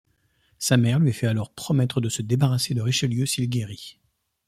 Sa mère lui fait alors promettre de se débarrasser de Richelieu s'il guérit.